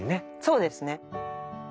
そうですね。